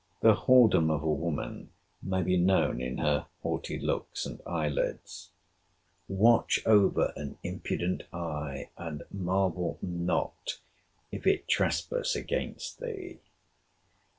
The whoredom of a woman may be known in her haughty looks and eye lids. Watch over an impudent eye, and marvel not if it trespass against thee.